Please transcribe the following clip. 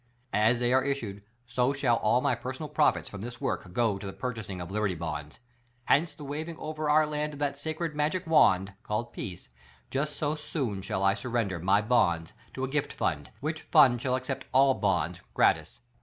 As they are issued so shall all my personal profits from this work go to the purchasing of Li'berty Bonds. Hence the waving o'er our land of that sacred, magic wand (called Peace) just so soon shall I sur render "MY BONDS" to a gift fund, which fund shall accept all BONDS, gratis.